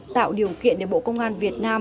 tạo điều kiện để bộ công an việt nam